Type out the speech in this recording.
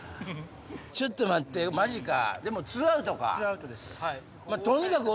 ちょっと待ってマジか。